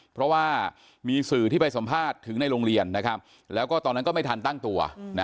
เพราะว่ามีสื่อที่ไปสัมภาษณ์ถึงในโรงเรียนนะครับแล้วก็ตอนนั้นก็ไม่ทันตั้งตัว